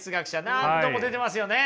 何度も出てますよね。